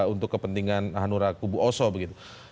untuk kepentingan hanura kubu oso begitu